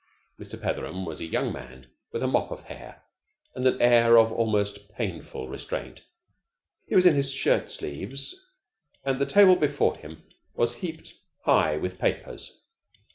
Mr. Petheram was a young man with a mop of hair, and an air of almost painful restraint. He was in his shirt sleeves, and the table before him was heaped high with papers.